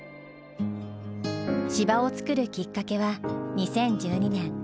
芝を作るきっかけは２０１２年。